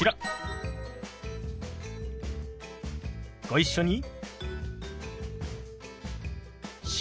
ご一緒に。